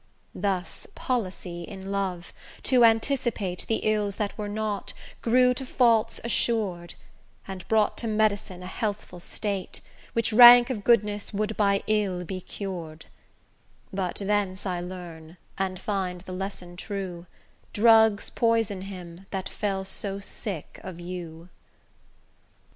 Thus policy in love, to anticipate The ills that were not, grew to faults assur'd, And brought to medicine a healthful state Which, rank of goodness, would by ill be cur'd; But thence I learn and find the lesson true, Drugs poison him that so fell sick of you.